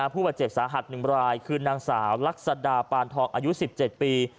ผู้บาดเจ็บสาหัส๑รายคือนางสาวลักษดาปานทองอายุ๑๗ปี